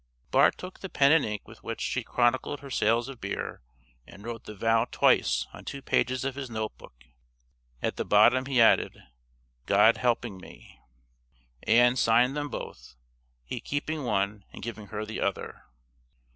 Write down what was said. Bart took the pen and ink with which she chronicled her sales of beer and wrote the vow twice on two pages of his note book; at the bottom he added, "God helping me." Ann signed them both, he keeping one and giving her the other.